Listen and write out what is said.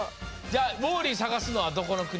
じゃウォーリーさがすのはどこの国？